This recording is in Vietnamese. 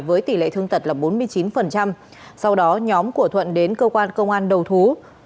với tỷ lệ thương tật là bốn mươi chín sau đó nhóm của thuận đến cơ quan công an đầu thú